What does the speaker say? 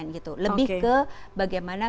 gitu lebih ke bagaimana